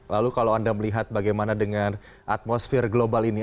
lalu kalau anda melihat bagaimana dengan atmosfer global ini